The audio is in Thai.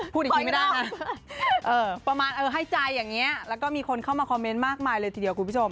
คอยไม่ได้ประมาณเออให้ใจอย่างนี้แล้วก็มีคนเข้ามาคอมเมนต์มากมายเลยทีเดียวคุณผู้ชม